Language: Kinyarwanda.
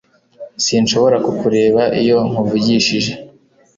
Sinshobora kukureba iyo nkuvugishije